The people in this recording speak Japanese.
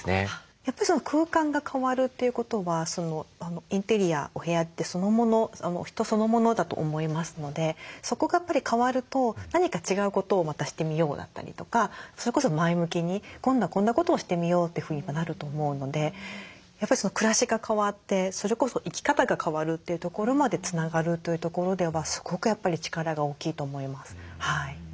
やっぱり空間が変わるということはインテリアお部屋ってそのもの人そのものだと思いますのでそこが変わると何か違うことをまたしてみようだったりとかそれこそ前向きに今度はこんなことをしてみようってふうになると思うのでやっぱり暮らしが変わってそれこそ生き方が変わるというところまでつながるというところではすごくやっぱり力が大きいと思います。